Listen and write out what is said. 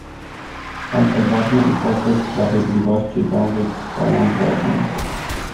"Bądź odważny i pozwól sprawiedliwości dążyć swoją drogą."